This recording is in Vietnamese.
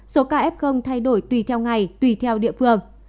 số kf thay đổi tùy theo ngày tùy theo địa phương